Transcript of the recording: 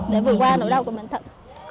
để vượt qua nỗi đau của bệnh tật